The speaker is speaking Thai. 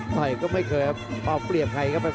ทุกคนค่ะ